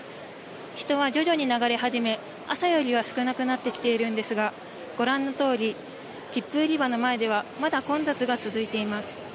人は徐々に流れ始め朝よりは少なくなってきているんですが、ご覧のとおり切符売り場の前ではまだ混雑が続いています。